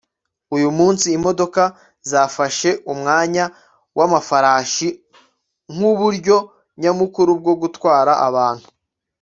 Uyu munsi imodoka zafashe umwanya wamafarashi nkuburyo nyamukuru bwo gutwara abantu